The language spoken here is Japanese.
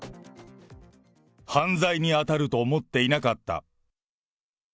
犯罪に当たると思っていなかった。